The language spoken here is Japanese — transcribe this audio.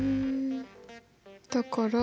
だから逆？